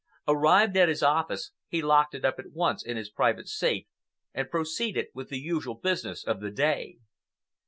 Arrived at his office, he locked it up at once in his private safe and proceeded with the usual business of the day.